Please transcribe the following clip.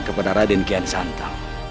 kepada raden kian santau